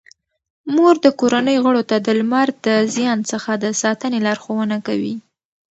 مور د کورنۍ غړو ته د لمر د زیان څخه د ساتنې لارښوونه کوي.